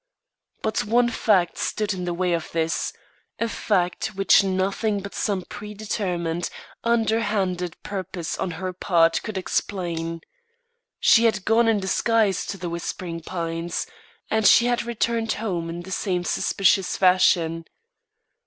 But one fact stood in the way of this a fact which nothing but some predetermined, underhanded purpose on her part could explain. She had gone in disguise to The Whispering Pines, and she had returned home in the same suspicious fashion.